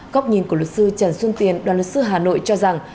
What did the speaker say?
góc nhìn của luật sư trần xuân tiền đoàn luật sư hà nội cho rằng